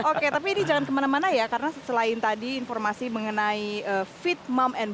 oke tapi ini jangan kemana mana ya karena selain tadi informasi mengenai fit mom and balan